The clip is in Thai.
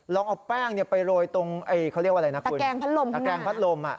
ลองเอาแป้งไปโรยตรงตะแกงพัดลม